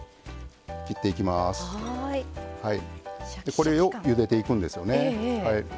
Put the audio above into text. これをゆでていくんですよね。